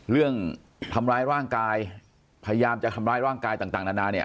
เรื่องทำร้ายร่างกายพยายามจะทำร้ายร่างกายต่างนานาเนี่ย